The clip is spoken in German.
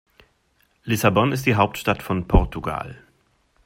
Lissabon ist die Hauptstadt von Portugal.